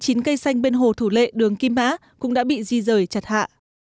một trăm linh chín cây xanh bên hồ thủ lệ đường kim á cũng đã bị di rời chặt hạ